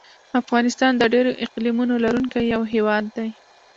افغانستان د ډېرو اقلیمونو لرونکی یو هېواد دی.